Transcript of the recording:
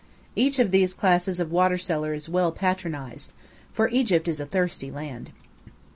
Each of these classes of water seller is well patronized, for Egypt is a thirsty land.